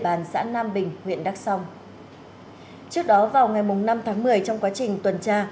bàn xã nam bình huyện đắk song trước đó vào ngày năm tháng một mươi trong quá trình tuần tra